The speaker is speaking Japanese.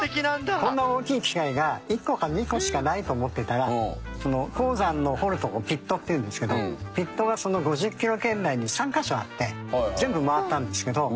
こんな大きい機械が１個か２個しかないと思ってたら鉱山の掘る所ピットっていうんですけどピットが５０キロ圏内に３カ所あって全部回ったんですけど。